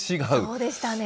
そうでしたね。